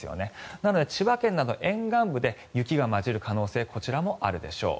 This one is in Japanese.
なので千葉県など沿岸部で雪が交じる可能性こちらもあるでしょう。